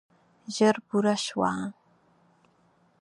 ژر پوره شوه.